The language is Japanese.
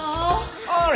あれ？